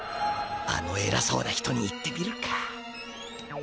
あのえらそうな人に言ってみるか。